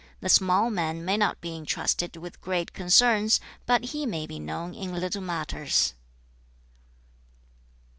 The small man may not be intrusted with great concerns, but he may be known in little matters.'